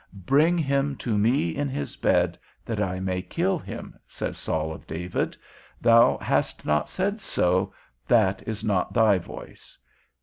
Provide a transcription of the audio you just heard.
Bring him to me in his bed, that I may kill him, says Saul of David: thou hast not said so, that is not thy voice.